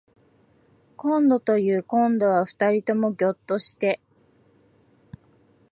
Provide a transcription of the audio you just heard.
こんどというこんどは二人ともぎょっとして